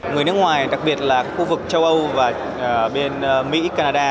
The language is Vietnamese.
người nước ngoài đặc biệt là khu vực châu âu và bên mỹ canada